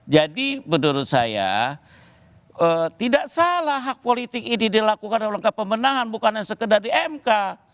jadi menurut saya tidak salah hak politik ini dilakukan dalam kepemenangan bukan yang sekedar di mk